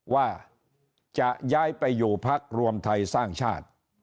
ว่าจะย้ายไปอยู่พักรวมไทยสร้างชาติ